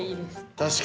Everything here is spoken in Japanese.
確かにね。